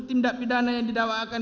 tindak pidana yang didakwakan